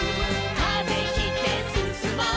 「風切ってすすもう」